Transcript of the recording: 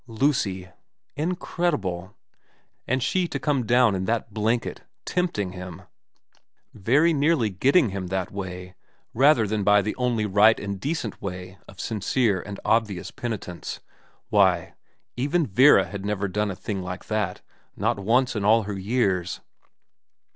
Lucy ! Incredible. And she to come down in that blanket, tempting him, very nearly getting him that way rather than by the only right and decent way of sincere and obvious penitence. Why, even Vera had never done a thing like that, not once in all the years.